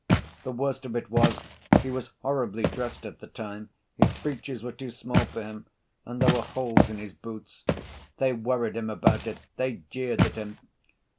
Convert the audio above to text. The worst of it was he was horribly dressed at the time, his breeches were too small for him, and there were holes in his boots. They worried him about it; they jeered at him.